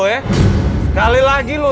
sekali lagi mas